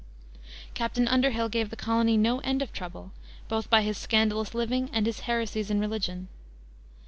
Captain Underhill gave the colony no end of trouble, both by his scandalous living and his heresies in religion.